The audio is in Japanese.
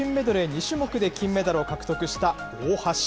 ２種目で金メダルを獲得した大橋。